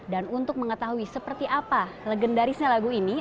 dan untuk mengetahui seperti apa legendarisnya lagu ini